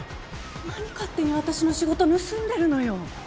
何勝手に私の仕事盗んでるのよ。